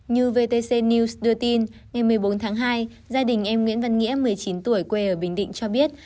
như vtc news đưa tin ngày một mươi bốn tháng hai gia đình em nguyễn văn nghĩa một mươi chín tuổi quê ở bình định cho biết